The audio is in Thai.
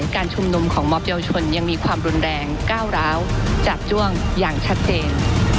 การชุมนุมของมอบเยาวชนยังมีความรุนแรงก้าวร้าวจาบจ้วงอย่างชัดเจน